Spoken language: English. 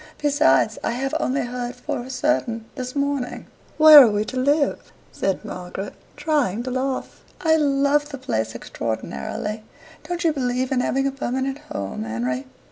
"Besides, I have only heard for certain this morning." "Where are we to live?" said Margaret, trying to laugh. "I loved the place extraordinarily. Don't you believe in having a permanent home, Henry?"